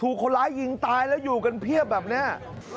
คนร้ายยิงตายแล้วอยู่กันเพียบแบบนี้